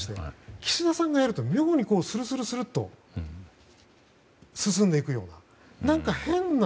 岸田さんがやると妙にスルスルスルっと進んでいくような、何か変な。